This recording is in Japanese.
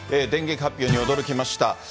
電撃発表には驚きました。